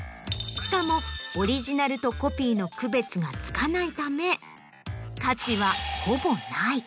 しかもオリジナルとコピーの区別がつかないため。